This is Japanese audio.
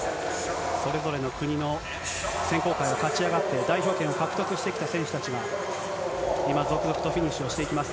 それぞれの国の選考会を勝ち上がって、代表権を獲得してきた選手たちが、今、続々とフィニッシュをしていきます。